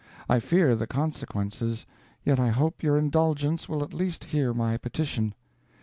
I fear the consequences; yet I hope your indulgence will at least hear my petition.